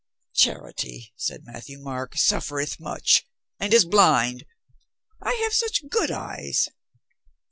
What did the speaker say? "Charity," said Matthieu Marc, "suffereth much. And is blind. I have such good eyes."